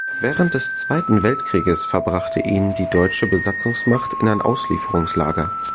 Während des Zweiten Weltkrieges verbrachte ihn die deutsche Besatzungsmacht in ein Auslieferungslager.